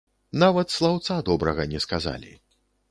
Нават слаўца добрага не сказалі.